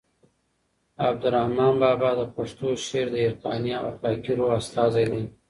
عبدالرحمان بابا د پښتو شعر د عرفاني او اخلاقي روح استازی دی.